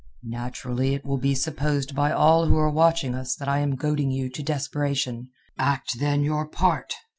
"Naturally it will be supposed by all who are watching us that I am goading you to desperation. Act, then, your part.